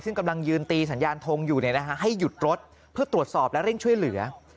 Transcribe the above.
ซึ่งกำลังยืนตีสัญญาณทงอยู่ให้หยุดรถเพื่อตรวจสอบและเร่งช่วยเหลือ